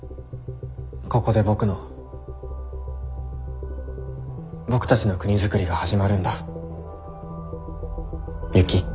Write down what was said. ここで僕の僕たちの国づくりが始まるんだユキ。